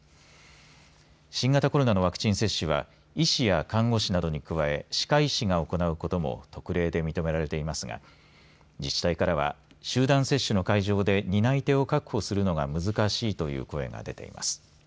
新型コロナのワクチン接種は医師や看護師などに加え歯科医師が行うことも特例で認められていますが自治体からは集団接種の会場で担い手を確保するのが難しいという声が出ています。